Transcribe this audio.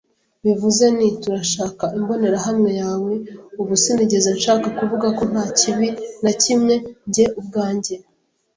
bivuze ni, turashaka imbonerahamwe yawe. Ubu, sinigeze nshaka kuvuga ko nta kibi nakimwe, njye ubwanjye. ”